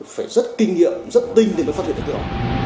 phải rất kinh nghiệm rất tinh thì mới phát hiện được điều đó